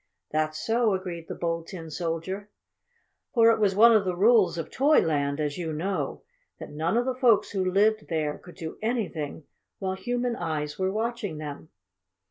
"That's so," agreed the Bold Tin Soldier. For it was one of the rules of Toyland, as you know, that none of the folk who lived there could do anything while human eyes were watching them.